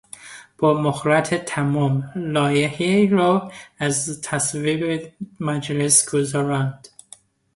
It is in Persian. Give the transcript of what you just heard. با مهارت تمام لایحه را از تصویب مجلس گذراند.